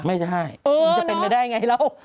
ไม่ใช่มันจะเป็นไปได้ไงแล้ว